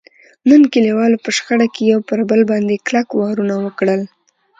نن کلیوالو په شخړه کې یو پر بل باندې کلک کلک وارونه وکړل.